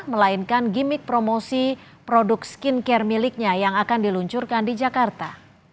melainkan gimmick promosi produk skincare miliknya yang akan diluncurkan di jakarta